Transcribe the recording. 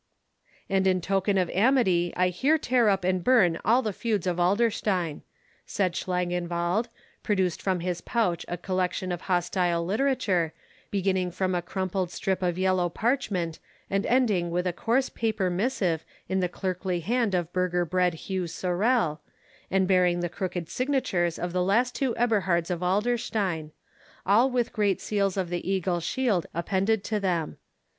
"And in token of amity I here tear up and burn all the feuds of Adlerstein," said Schlangenwald, producing from his pouch a collection of hostile literature, beginning from a crumpled strip of yellow parchment and ending with a coarse paper missive in the clerkly hand of burgher bred Hugh Sorel, and bearing the crooked signatures of the last two Eberhards of Adlerstein—all with great seals of the eagle shield appended to them.